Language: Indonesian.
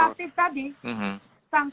sanksi administratif tadi